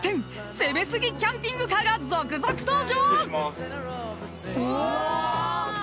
攻めすぎキャンピングカーが続々登場！］